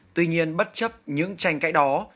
tuy nhiên bất chấp những tranh cãi đó